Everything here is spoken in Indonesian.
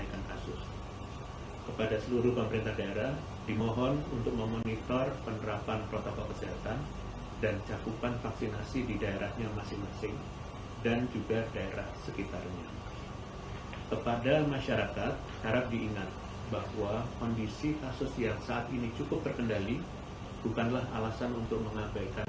esok hari mohon pengertian dari seluruh masyarakat bahwa keputusan ini didasarkan